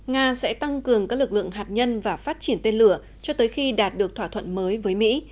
nga sẽ tăng cường các lực lượng hạt nhân và phát triển tên lửa cho tới khi đạt được thỏa thuận mới với mỹ